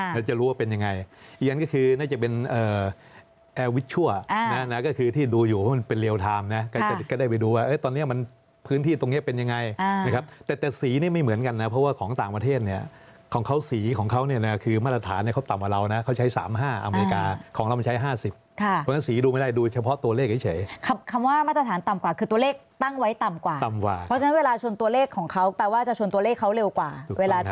ทามนะก็ได้ไปดูว่าตอนนี้มันพื้นที่ตรงนี้เป็นยังไงนะครับแต่สีไม่เหมือนกันนะเพราะว่าของต่างประเทศเนี่ยของเขาสีของเขาเนี่ยคือมาตรฐานเขาต่ำกว่าเรานะเขาใช้๓๕อเมริกาของเราใช้๕๐สีดูไม่ได้ดูเฉพาะตัวเลขเฉยคำว่ามาตรฐานต่ำกว่าคือตัวเลขตั้งไว้ต่ำกว่าเพราะฉะนั้นเวลาชนตัวเลขของเขาแต